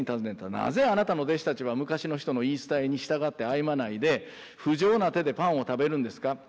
なぜあなたの弟子たちは昔の人の言い伝えに従って歩まないで不浄な手でパンを食べるんですか？